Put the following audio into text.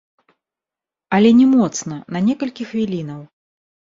Але не моцна, на некалькі хвілінаў.